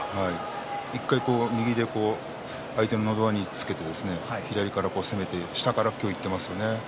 １回、右で相手ののど輪につけて左から攻めて下から今日はいってますね